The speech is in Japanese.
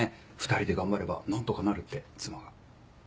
２人で頑張れば何とかなるって妻が。